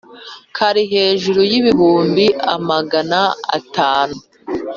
Kari hejuru y’ibihumbi magana atanu